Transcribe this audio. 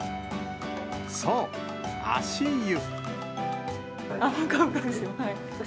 そう、足湯。